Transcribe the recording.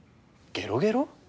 ゲロゲロ？